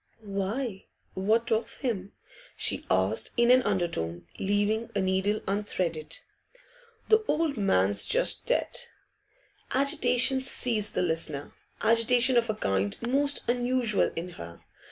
'Why, what of him?' she asked in an undertone, leaving a needle unthreaded. 'The old man's just dead.' Agitation seized the listener, agitation of a kind most unusual in her.